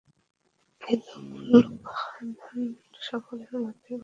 কিন্তু মূল উপাদান সকলের মধ্যেই বর্তমান।